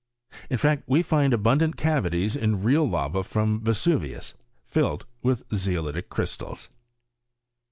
In fact, we find abundant cavities in real Java from Vesuvius, filled with zeolitic crystals.